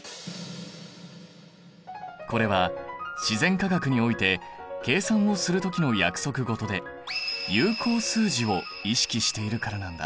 これは自然科学において計算をするときの約束事で有効数字を意識しているからなんだ。